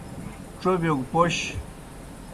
چربِیو گہ پوْش۔